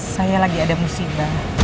saya lagi ada musibah